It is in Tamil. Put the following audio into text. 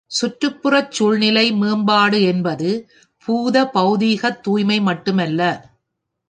சுற்றுப்புறச் சூழ்நிலை மேம்பாடு என்பது பூத பெளதிகத் தூய்மை மட்டுமல்ல.